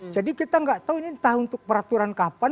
jadi kita tidak tahu ini entah untuk peraturan kapan